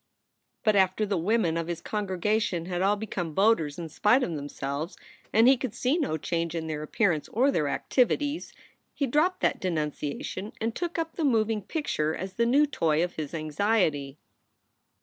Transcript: But after the women of his congregation had all become voters in spite of themselves, and he could see no change in their appearance or their activities, he dropped that de nunciation and took up the moving picture as the new toy of his anxiety.